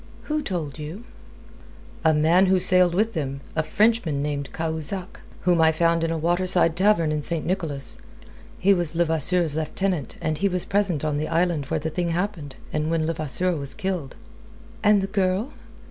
"Who told you?" "A man who sailed with them, a Frenchman named Cahusac, whom I found in a waterside tavern in St. Nicholas. He was Levasseur's lieutenant, and he was present on the island where the thing happened, and when Levasseur was killed." "And the girl?